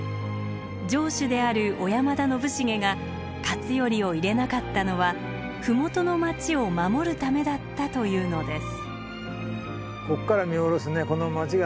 城主である小山田信茂が勝頼を入れなかったのは麓の町を守るためだったというのです。